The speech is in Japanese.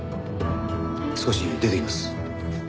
少し出てきます。